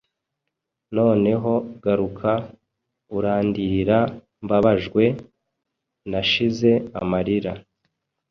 Noneho garuka urandirira Mbabajwe, nashize amarira